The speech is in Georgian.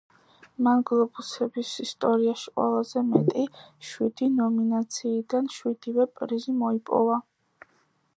მან გლობუსების ისტორიაში ყველაზე მეტი, შვიდი ნომინაციიდან შვიდივე პრიზი მოიპოვა.